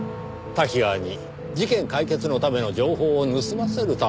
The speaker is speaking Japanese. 瀧川に事件解決のための情報を盗ませるためですよ。